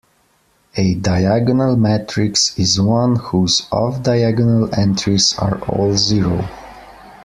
A "diagonal matrix" is one whose off-diagonal entries are all zero.